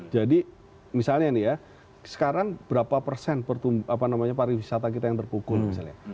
jadi misalnya nih ya sekarang berapa persen pariwisata kita yang terpukul misalnya